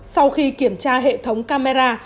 sau khi kiểm tra hệ thống camera